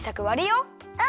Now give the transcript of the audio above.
うん。